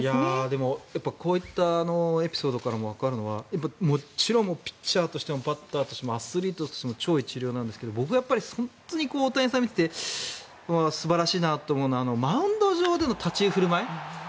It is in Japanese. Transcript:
でも、こういったエピソードからもわかるのはもちろんピッチャーとしてもバッターとしてもアスリートとしても超一流なんですが僕が大谷さんを見ていて素晴らしいなと思うのはマウンド上での立ち振る舞い。